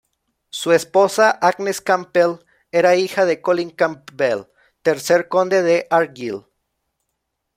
Su esposa, Agnes Campbell era hija de Colin Campbell, tercer Conde de Argyll.